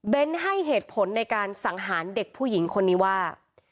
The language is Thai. ให้เหตุผลในการสังหารเด็กผู้หญิงคนนี้ว่า